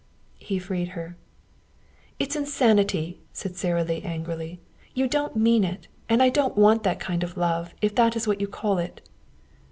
He freed her. "It's insanity," said Sara Lee angrily. "You don't mean it. And I don't want that kind of love, if that is what you call it."